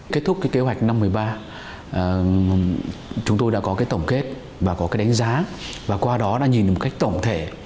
kết thúc kế hoạch năm một mươi ba chúng tôi đã có tổng kết và có đánh giá và qua đó đã nhìn được một cách tổng thể